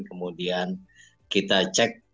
kemudian kita cek kondisi